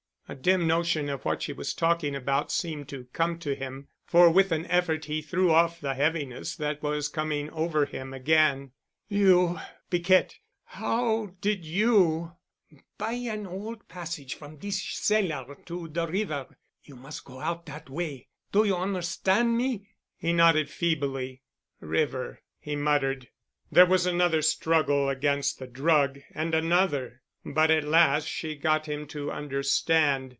A dim notion of what she was talking about seemed to come to him, for with an effort he threw off the heaviness that was coming over him again. "You—Piquette—How did you——?" "By an old passage from dis cellar to de river. You mus' go out dat way. Do you on'erstand me?" He nodded feebly. "River——" he muttered. There was another struggle against the drug and another, but at last she got him to understand.